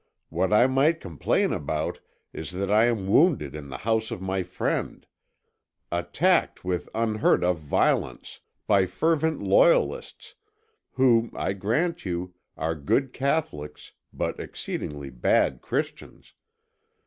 What I might complain about is that I am wounded in the house of my friend, attacked with unheard of violence, by fervent loyalists, who, I grant you, are good Catholics, but exceedingly bad Christians....